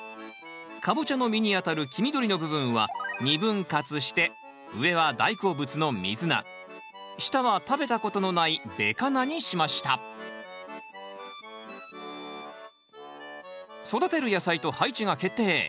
カボチャの実にあたる黄緑の部分は２分割して上は大好物のミズナ下は食べたことのないべカナにしました育てる野菜と配置が決定。